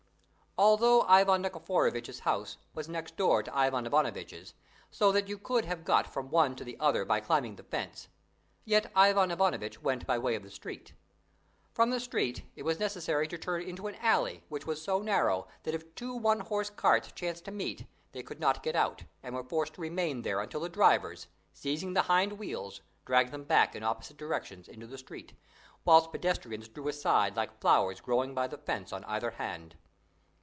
Although Ivan Nikiforovitch's house was next door to Ivan Ivanovitch's, so that you could have got from one to the other by climbing the fence, yet Ivan Ivanovitch went by way of the street. From the street it was necessary to turn into an alley which was so narrow that if two one horse carts chanced to meet they could not get out, and were forced to remain there until the drivers, seizing the hind wheels, dragged them back in opposite directions into the street, whilst pedestrians drew aside like flowers growing by the fence on either hand.